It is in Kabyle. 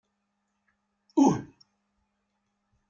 Uh!